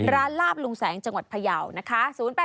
ลาบลุงแสงจังหวัดพยาวนะคะ